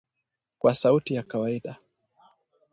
kwa sauti ya kawaida